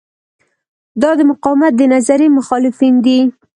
دا د مقاومت د نظریې مخالفین دي.